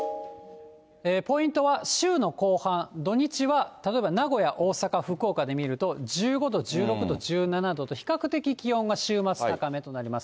ポイントは週の後半、土日は例えば、名古屋、大阪、福岡で見ると、１５度、１６度、１７度と、比較的気温が週末高めとなります。